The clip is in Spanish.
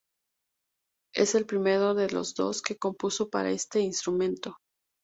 Es el primero de los dos que compuso para este instrumento.